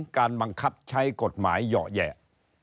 การบังคับใช้กฎหมายเหยาะแหยะ